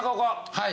はい。